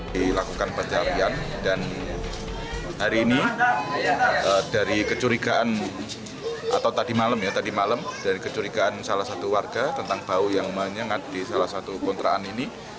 dilakukan pencarian dan hari ini dari kecurigaan atau tadi malam ya tadi malam dari kecurigaan salah satu warga tentang bau yang menyengat di salah satu kontrakan ini